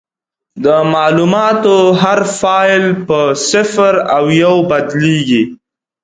د معلوماتو هر فایل په صفر او یو بدلېږي.